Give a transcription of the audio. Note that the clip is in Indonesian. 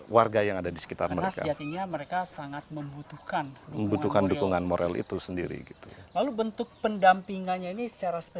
warga yang ada disekitar mereka